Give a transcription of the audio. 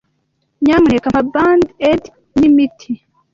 Nyamuneka mpa Band-Aid n'imiti.